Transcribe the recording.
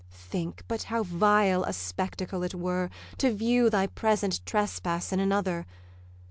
'Think but how vile a spectacle it were, To view thy present trespass in another.